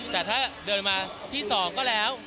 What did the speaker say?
แต่ถ้าเดินมาที่๒ก็แล้ว